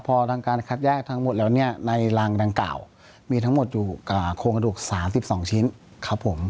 พอทางการคัดแยกทั้งหมดแล้วเนี่ยในรังดังกล่าวมีทั้งหมดอยู่โครงกระดูก๓๒ชิ้นครับผม